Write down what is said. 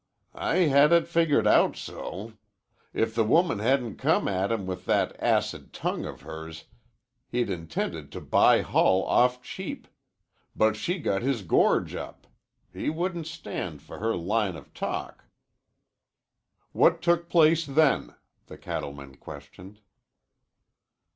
"I had it figured out so. If the woman hadn't come at him with that acid tongue of hers he'd intended to buy Hull off cheap. But she got his gorge up. He wouldn't stand for her line of talk." "What took place then?" the cattleman questioned.